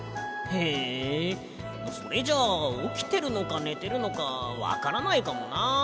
へえそれじゃあおきてるのかねてるのかわからないかもな。